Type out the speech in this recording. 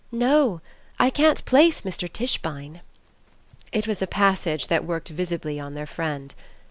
"No, I can't place Mr. Tischbein." It was a passage that worked visibly on their friend.